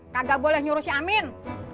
kagak boleh nyuruh si amin